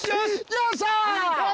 よっしゃ！